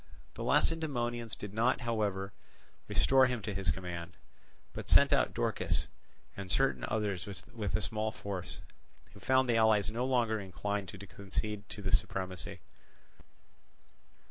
The Lacedaemonians did not, however, restore him to his command, but sent out Dorkis and certain others with a small force; who found the allies no longer inclined to concede to them the supremacy.